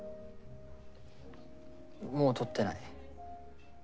もう撮ってない。